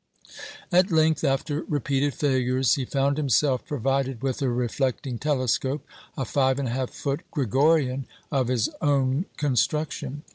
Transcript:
At length, after repeated failures, he found himself provided with a reflecting telescope a 5 1/2 foot Gregorian of his own construction.